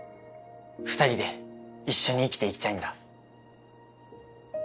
２人で一緒に生きていきたいんだ。